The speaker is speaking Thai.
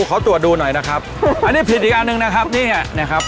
ขอตรวจดูหน่อยนะครับอันนี้ผิดอีกอันหนึ่งนะครับนี่ไงนะครับ